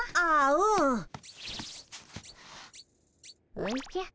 おじゃ。